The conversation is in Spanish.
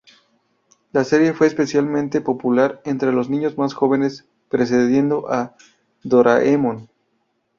La serie fue especialmente popular entre los niños más jóvenes, precediendo a "Doraemon".